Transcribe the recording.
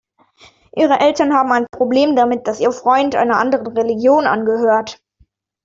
Ihre Eltern haben ein Problem damit, dass ihr Freund einer anderen Religion angehört.